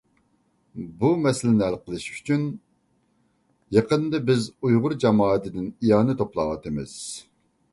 بۇ مەسىلىنى ھەل قىلىش ئۈچۈن يېقىندا بىز ئۇيغۇر جامائىتىدىن ئىئانە توپلاۋاتىمىز.